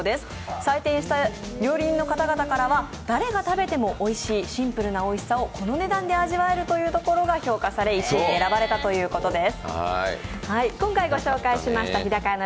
採点した料理人の方々からは誰が食べてもおいしい、シンプルなおいしさをこの値段で味わえるというところが評価され１位に選ばれたということです。